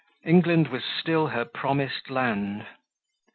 England was still her Promised Land.